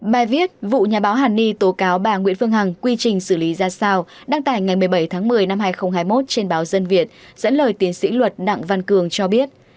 bài viết vụ nhà báo hàn ni tố cáo bà nguyễn phương hằng quy trình xử lý ra sao đăng tải ngày một mươi bảy tháng một mươi năm hai nghìn hai mươi một trên báo dân việt dẫn lời tiến sĩ luật đặng văn cường cho biết